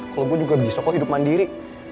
kalau gue juga bisa kok hidup mandiri